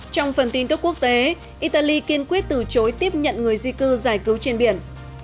trong phần tin tức quốc tế italy kiên quyết từ chối tiếp nhận người di cư giải cứu trên biển